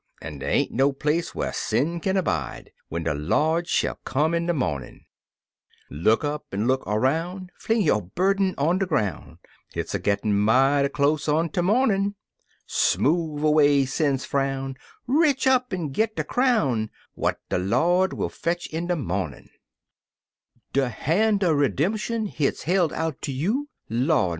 En dey ain't no place whar sin kin abide, Wen de Lord shiil come in de momin'l Look up en look aroun', Fling yo' burden on de groun', Hit's a gittin' mighty close on ter momin'l Smoove away sin's frown — Retch up en git de crown, Wat de Lord will fetch in de momin'l De han' er ridem'shun, hit's hilt out tcr you— Lord!